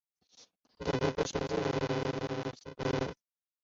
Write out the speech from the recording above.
其特性是两种不同的圆偏振传播模态的折射率不相等。